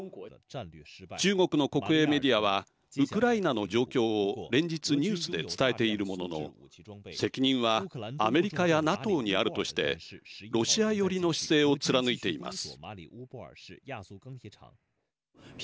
中国の国営メディアはウクライナの状況を連日ニュースで伝えているものの責任はアメリカやＮＡＴＯにあるとしてロシア寄りの姿勢を貫いています。